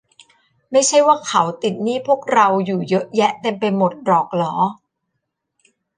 ไม่ใช่ว่าเขาติดหนี้พวกเราอยู่เยอะแยะเต็มไปหมดหรอกหรอ ?